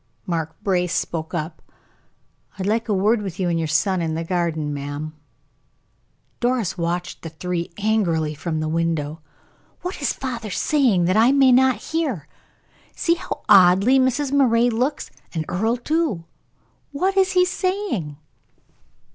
Mark Brace spoke up: "I'd like a word with you and your son in the garden, ma'am." Doris watched the three angrily from the window. "What is father saying that I may not hear? See how oddly Mrs. Moray looks, and Earle too! What is he saying?"